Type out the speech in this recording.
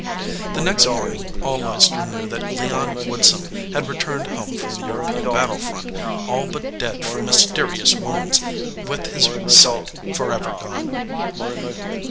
The next afternoon all Leicester knew that Leon Woodsum had returned home from the European battle front all but dead from mysterious wounds, with his sight forever gone.